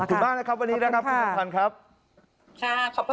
ขอบคุณมากนะครับวันนี้นะครับคุณนมพันธ์ครับ